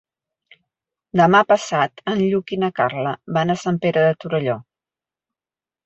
Demà passat en Lluc i na Carla van a Sant Pere de Torelló.